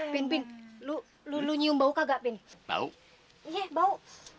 mimpi lu lu nyium bau kagak bing bau bau